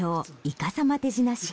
「いかさま手品師」